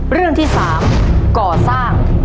เรื่องที่๓ก่อสร้าง